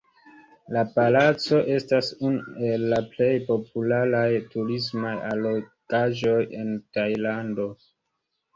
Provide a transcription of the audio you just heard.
La palaco estas unu el la plej popularaj turismaj allogaĵoj en Tajlando.